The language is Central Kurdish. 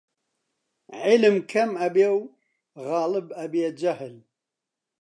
عیلم کەم ئەبێ و غاڵب ئەبێ جەهل